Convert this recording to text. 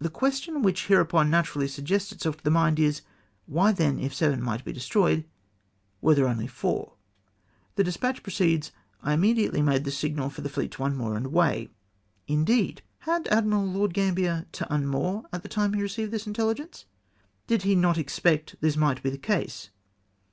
The question which hereupon naturally suggests itself to the mind is, ' Why, then, if seven might be destroyed, were there only four ?'" The despatch proceeds. * I immediately made the signal for the fleet to unmoor and weigh.' Indeed ! Had Admiral Lord Gambler to unmoor at the time he received this intelli gence ? Did he not expect this might be the case